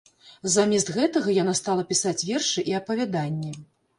Замест гэтага яна стала пісаць вершы і апавяданні.